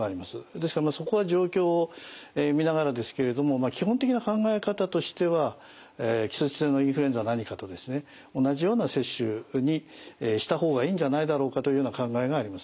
ですからそこは状況を見ながらですけれども基本的な考え方としては季節性のインフルエンザなにかとですね同じような接種にした方がいいんじゃないだろうかというような考えがあります。